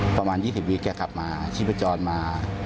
ประมาณ๒๐ปีแกกลับมาชีพจรมา